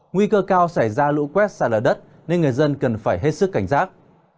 nguy cơ cao xảy ra lũ quét xả lở đất nên người dân cần phải hết sức cảnh giác